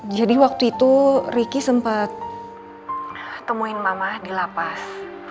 jadi waktu itu riki sempet temuin mama di lapas